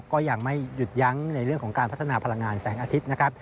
ก็ยังไม่หยุดยั้งในเรื่องของการพัฒนาพลังงานแสงอาทิตย์นะครับ